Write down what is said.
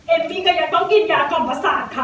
เอฟซี่ก็ยังต้องกินยากล่องผสานค่ะ